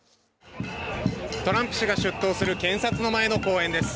トランプ氏が出頭する検察の前の公園です